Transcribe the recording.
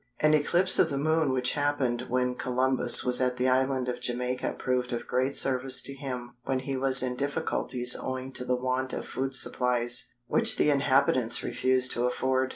'" An eclipse of the Moon which happened when Columbus was at the Island of Jamaica proved of great service to him when he was in difficulties owing to the want of food supplies which the inhabitants refused to afford.